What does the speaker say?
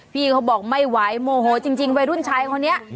พี่เขาบอกไม่ไหวโมโหจริงวัยรุ่นชายคนนี้